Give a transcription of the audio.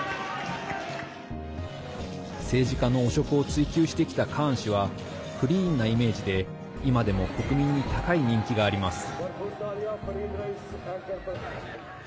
政治家の汚職を追及してきたカーン氏はクリーンなイメージで今でも国民に高い人気があります。